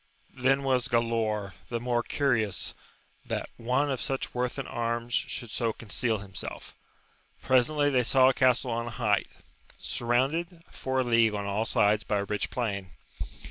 Then was Galaor the more curious that one of such worth in arms should so con ceal himself Presently they saw a castle on a height, surrounded for a league on all sides by a rich plain.